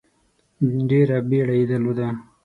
ډېره بیړه یې درلوده.